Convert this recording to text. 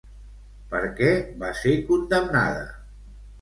Per què va ser condemnada?